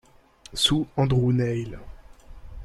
Sous Andrew Neil.